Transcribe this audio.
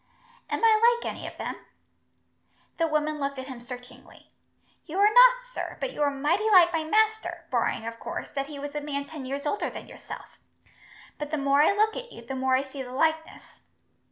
"Am I like any of them?" The woman looked at him searchingly. "You are not, sir; but you are mighty like my master, barring, of course, that he was a man ten years older than yourself. But the more I look at you, the more I see the likeness."